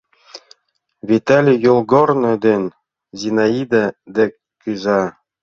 Виталий йолгорно дене Зинаида дек кӱза.